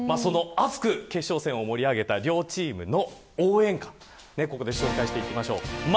熱く決勝戦を盛り上げた両チームの応援歌をここで紹介していきましょう。